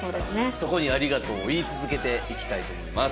そこにありがとうを言い続けていきたいと思います。